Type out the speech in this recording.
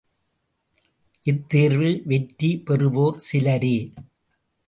இத்தேர்வில் வெற்றி பெறுவோர் சிலரே!